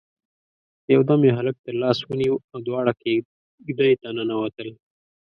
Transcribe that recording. يودم يې هلک تر لاس ونيو او دواړه کېږدۍ ته ننوتل.